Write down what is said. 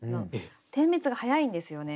点滅が早いんですよね。